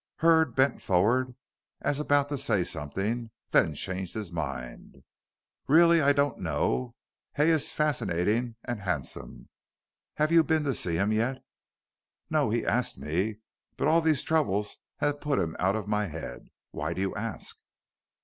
Hurd bent forward as about to say something, then changed his mind. "Really, I don't know Hay is fascinating and handsome. Have you been to see him yet?" "No. He asked me, but all these troubles have put him out of my head. Why do you ask?"